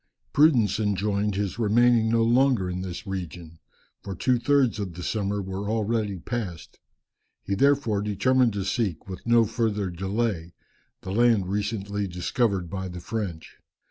Prudence enjoined his remaining no longer in this region, for two thirds of the summer were already passed. He therefore determined to seek, with no further delay, the land recently discovered by the French.